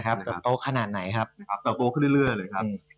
เติบโตขนาดไหนครับเติบโตขึ้นเรื่อยเลยครับ